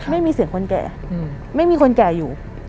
ไม่มีเสียงคนแก่ไม่มีคนแก่อยู่